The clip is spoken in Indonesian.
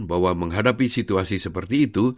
bahwa menghadapi situasi seperti itu